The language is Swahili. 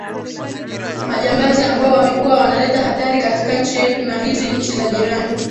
majambazi ambao wamekuwa wanaleta hatari katika nchi yetu na hizi nchi za jirani